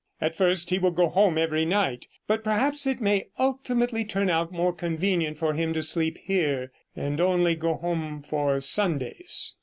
At first he will go home every night, but perhaps it may ultimately turn out more convenient for him to sleep here, and only go home for Sundays.'